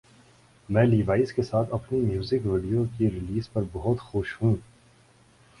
میں لیوائز کے ساتھ اپنی میوزک ویڈیو کی ریلیز پر بہت خوش ہوں